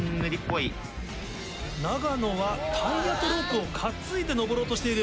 長野はタイヤとロープを担いで登ろうとしている。